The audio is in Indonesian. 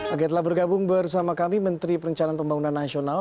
agetlah bergabung bersama kami menteri perencanaan pembangunan nasional